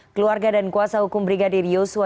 keluarga dan kuasa hukum brigadir yosua